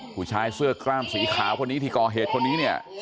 ผู้ชายเสื้อกล้ามสีขาวพวกนี้ที่ก่อเหตุพวกนี้